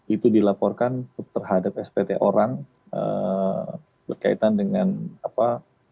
itu dilaporkan terhadap spt orang berkaitan dengan apa